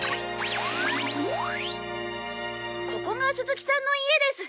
「ここが鈴木さんの家です」